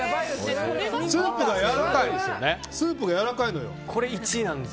スープがやわらかいです。